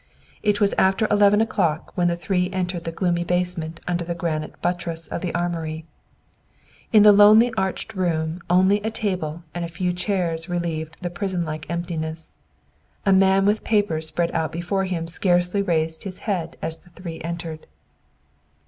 It was after eleven o'clock when the three entered the gloomy basement under the granite buttresses of the armory. In the lonely arched room only a table and a few chairs relieved the prison like emptiness. A man with papers spread out before him scarcely raised his head as the three entered.